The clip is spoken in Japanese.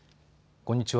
こんにちは。